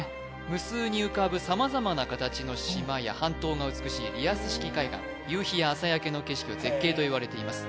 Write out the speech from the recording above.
無数に浮かぶ様々な形の島や半島が美しいリアス式海岸夕日や朝焼けの景色は絶景といわれています